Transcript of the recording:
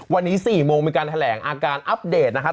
วันนี้๔โมงมีการแถลงอาการอัปเดตนะครับ